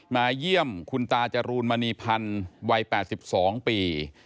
มาเยี่ยมคุณตาจรูนมณีพันธ์วัย๘๒ปี